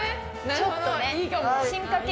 ちょっとね。